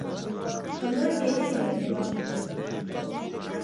هەمووان بێدەنگن.